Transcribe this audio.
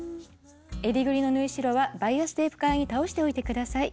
襟ぐりの縫い代はバイアステープ側に倒しておいて下さい。